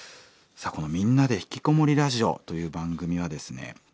さあこの「みんなでひきこもりラジオ」という番組はですね